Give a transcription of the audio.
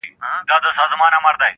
خامخا به څه سُرور د پیالو راوړي,